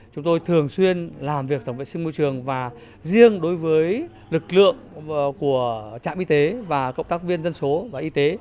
chúng tôi thường xuyên làm việc tổng vệ sinh môi trường và riêng đối với lực lượng của trạm y tế và cộng tác viên dân số và y tế